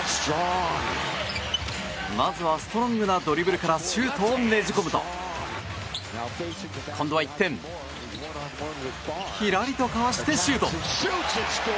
まずはストロングなドリブルからシュートをねじ込むとここは一転ひらりと交わしてシュート！